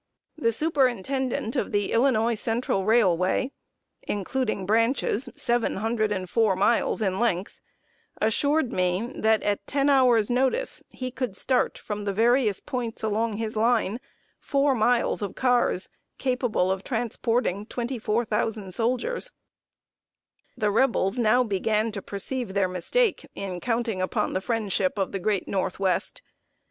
The superintendent of the Illinois Central Railway (including branches, seven hundred and four miles in length) assured me that, at ten hours' notice, he could start, from the various points along his line, four miles of cars, capable of transporting twenty four thousand soldiers. [Sidenote: PATRIOTISM OF THE NORTHWEST.] The Rebels now began to perceive their mistake in counting upon the friendship of the great Northwest.